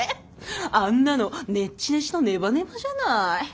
あんなのネチネチのネバネバじゃない！